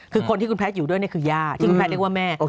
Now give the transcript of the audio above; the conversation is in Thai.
คือคนที่คุณแพทย์อยู่ด้วยนี่คือย่าที่คุณแพทย์เรียกว่าแม่